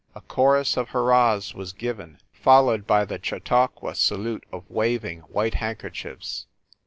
A chorus of hurrahs was given, followed by the Chautauqua salute of waving hand kerchiefs.